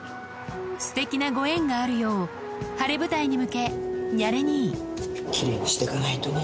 すてきなご縁があるよう晴れ舞台に向けニャレ兄奇麗にしていかないとね。